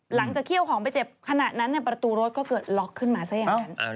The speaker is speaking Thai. เคี่ยวของไปเจ็บขณะนั้นประตูรถก็เกิดล็อกขึ้นมาซะอย่างนั้น